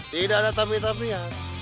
tidak ada tapi tapian